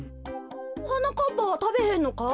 はなかっぱはたべへんのか？